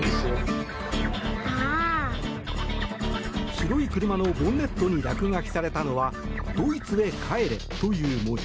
白い車のボンネットに落書きされたのは「ドイツへ帰れ」という文字。